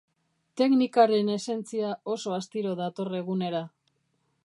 Teknikaren esentzia oso astiro dator egunera.